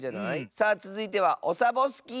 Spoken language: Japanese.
さあつづいてはオサボスキー。